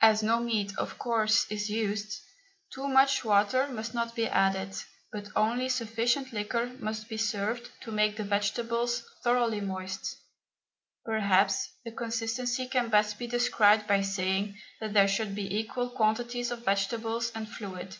As no meat, of course, is used, too much water must not be added, but only sufficient liquor must be served to make the vegetables thoroughly moist. Perhaps the consistency can best be described by saying that there should be equal quantities of vegetables and fluid.